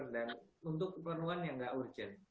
dan untuk keperluan yang nggak urgent